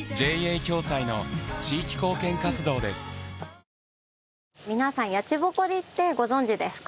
ニトリ皆さん「やちぼこり」ってご存知ですか？